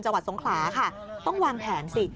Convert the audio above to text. จสงคราต้องวางแผนสิ